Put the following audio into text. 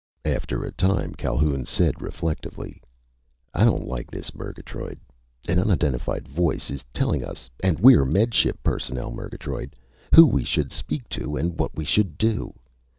After a time Calhoun said reflectively: "I don't like this, Murgatroyd! An unidentified voice is telling us and we're Med Ship personnel, Murgatroyd! who we should speak to and what we should do.